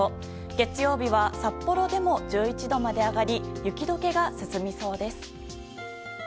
月曜日は札幌でも１１度まで上がり雪解けが進みそうです。